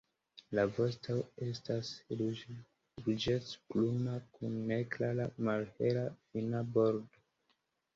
La vosto estas ruĝecbruna kun neklara malhela fina bordo.